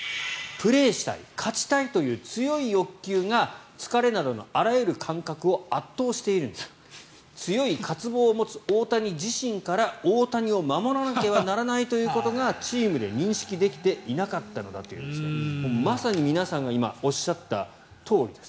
プレーしたい、勝ちたいという強い欲求が疲れなどのあらゆる感覚を圧倒している強い渇望を持つ大谷自身から大谷を守らなければならないということがチームで認識できていなかったのだというまさに皆さんが今、おっしゃったとおりです。